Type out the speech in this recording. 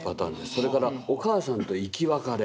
それからお母さんと生き別れ。